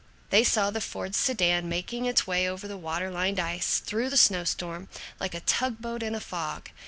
They saw the Ford sedan making its way over the water lined ice, through the snow storm, like a tug boat in a fog.